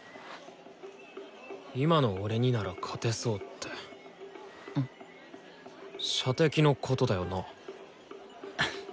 今の俺になら勝てそうって射的のことだよな？